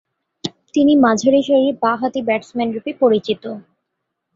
তিনি মাঝারি সারির বাঁ হাতি ব্যাটসম্যানরূপে পরিচিত।